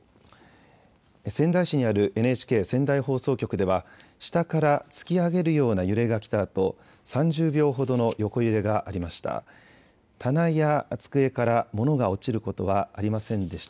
仙台市にあるＮＨＫ仙台放送局では下から突き上げるような揺れが来たあと３０秒ほどの横揺れがありました。